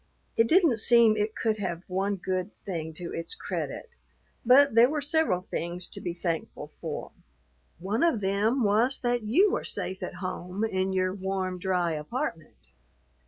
It didn't seem it could have one good thing to its credit, but there were several things to be thankful for. One of them was that you were safe at home in your warm, dry apartment.